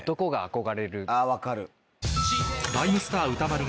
あ分かる。